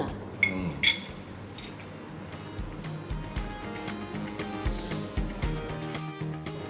อืม